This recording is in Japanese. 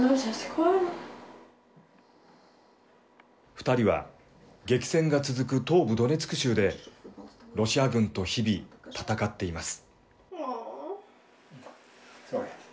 ２人は激戦が続く東部ドネツク州で、ロシア軍と日々戦っています。